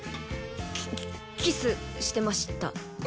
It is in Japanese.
キキキスしてました。